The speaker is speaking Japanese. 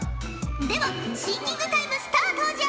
ではシンキングタイムスタートじゃ！